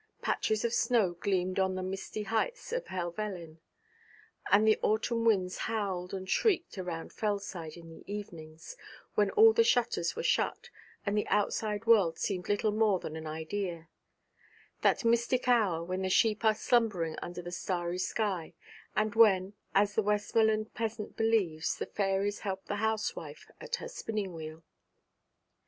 Patches of snow gleamed on the misty heights of Helvellyn, and the autumn winds howled and shrieked around Fellside in the evenings, when all the shutters were shut, and the outside world seemed little more than an idea: that mystic hour when the sheep are slumbering under the starry sky, and when, as the Westmoreland peasant believes, the fairies help the housewife at her spinning wheel.